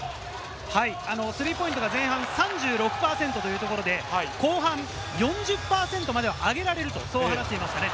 スリーポイントが前半３６％というところで後半、４０％までは上げられると話していました。